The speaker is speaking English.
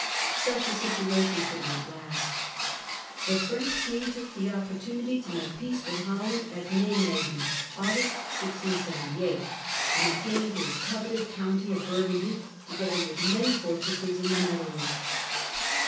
Such a situation could not last. The French king took the opportunity to make peace with Holland at Nimuegen (August, 1678), and obtained his coveted county of Burgundy together with many fortresses in the Netherlands.